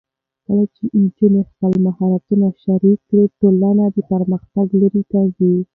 کله چې نجونې خپل مهارتونه شریک کړي، ټولنه د پرمختګ لور ته ځي.